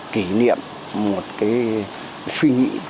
kỷ niệm một suy nghĩ